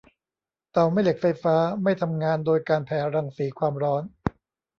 เตาแม่เหล็กไฟฟ้าไม่ทำงานโดยการแผ่รังสีความร้อน